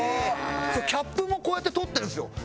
キャップもこうやって取ってるんですよ。